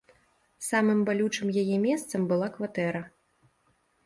Самым балючым яе месцам была кватэра.